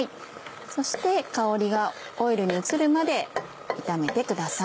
そして香りがオイルに移るまで炒めてください。